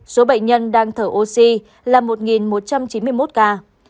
số bệnh nhân đang thở oxy là một một trăm chín mươi một ca